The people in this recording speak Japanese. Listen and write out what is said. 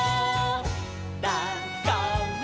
「だから」